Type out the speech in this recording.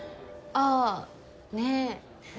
ああねえ。